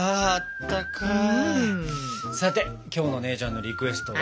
さて今日の姉ちゃんのリクエストは？